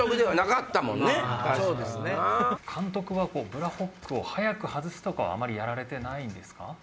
・監督はブラホックを早く外すとかはあまりやられてないんですか？